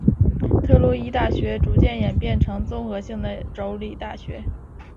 特洛伊大学逐渐演变成综合性的州立大学。